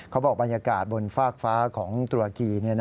บอกบรรยากาศบนฟากฟ้าของตุรกี